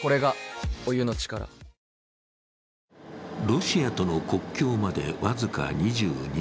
ロシアとの国境まで僅か２２ｋｍ。